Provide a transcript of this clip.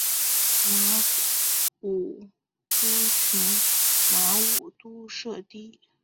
马武督群马武督社地。